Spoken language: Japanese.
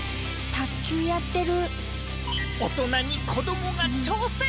卓球やってる。